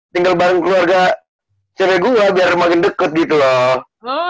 tinggal bareng keluarga cewek gue biar makin deket gitu loh